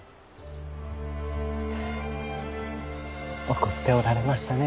怒っておられましたねぇ。